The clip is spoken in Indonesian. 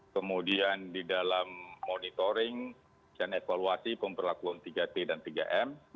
kemudian di dalam monitoring dan evaluasi pemberlakuan tiga t dan tiga m